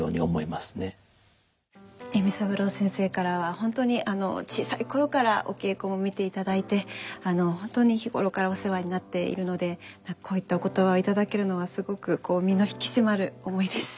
笑三郎先生からは本当に小さい頃からお稽古も見ていただいて本当に日頃からお世話になっているのでこういったお言葉を頂けるのはすごくこう身の引き締まる思いです。